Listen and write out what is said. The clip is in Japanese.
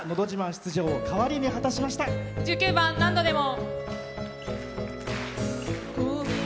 出場を１９番「何度でも」。